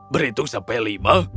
berhitung sampai lima